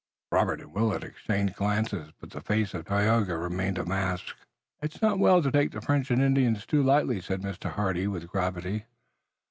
Robert and Willet exchanged glances, but the face of Tayoga remained a mask. "It's not well to take the French and Indians too lightly," said Mr. Hardy with gravity.